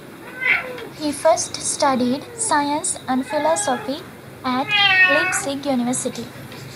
He first studied science and philosophy at Leipzig University.